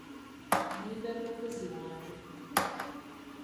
Ninda muvuzi wange.